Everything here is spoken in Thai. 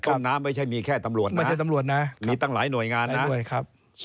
ตรงนั้นไม่ใช่มีแค่ตำรวจนะมีตั้งหลายหน่วยงานนะ